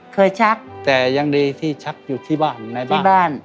ชักแต่ยังดีที่ชักอยู่ที่บ้านในที่บ้าน